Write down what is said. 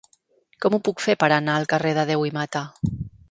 Com ho puc fer per anar al carrer de Deu i Mata?